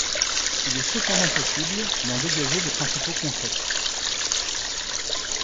Il est cependant possible d'en dégager les principaux concepts.